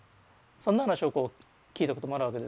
そんな話をこう聞いたこともあるわけですよね。